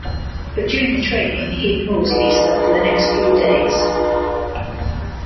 But during the training, he ignores Lisa for the next few days.